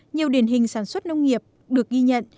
nhiều điển hình sản xuất nông nghiệp được ghi nhận